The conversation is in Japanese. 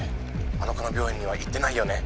☎あの子の病院には行ってないよね？